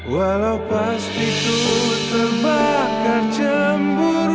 walau pasti ku terbakar cemburu